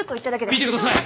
見てください！